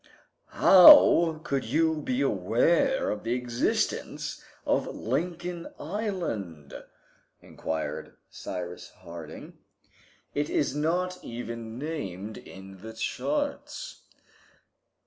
"How could you be aware of the existence of Lincoln Island?" inquired Cyrus Harding, "it is not even named in the charts."